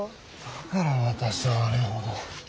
だから私はあれほど。